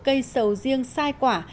cây sầu riêng sai quả